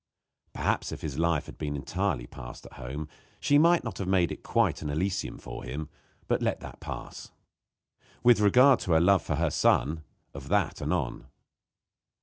Perhaps if his life had been entirely passed at home she might not have made it quite an elysium for him; but let that pass. With regard to her love for her son of that anon.